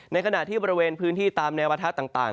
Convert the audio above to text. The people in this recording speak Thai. ในขณะที่บริเวณพื้นที่ตามแนวปะทะต่าง